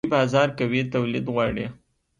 لوی بازار قوي تولید غواړي.